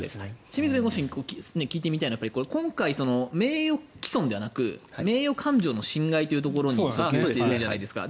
清水先生に聞いてみたいのが今回、名誉毀損ではなく名誉感情の侵害というところに波及しているじゃないですか。